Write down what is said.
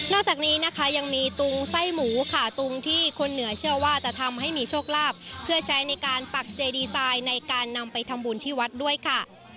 จากนี้นะคะยังมีตุงไส้หมูค่ะตุงที่คนเหนือเชื่อว่าจะทำให้มีโชคลาภเพื่อใช้ในการปักเจดีไซน์ในการนำไปทำบุญที่วัดด้วยค่ะ